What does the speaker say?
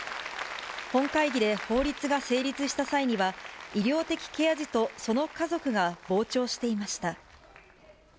本会議で法律が成立した際には、医療的ケア児とその家族が傍聴していました。